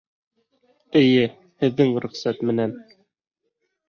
Эйе, һеҙҙең рөхсәт менән.